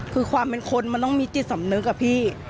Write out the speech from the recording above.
คือความเป็นคนมันต้องมีจิตสำนึกอะพี่